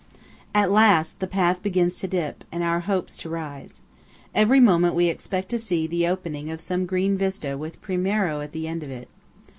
At last the path begins to dip, and our hopes to rise. Every moment we expect to see the opening of some green vista with Primiero at the end of it.